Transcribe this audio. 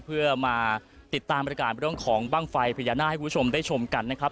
เพื่อมาติดตามบริการเรื่องของบ้างไฟพญานาคให้คุณผู้ชมได้ชมกันนะครับ